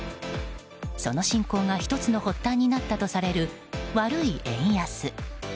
その侵攻が１つの発端になったとされる悪い円安。